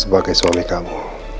sebagai suami kamu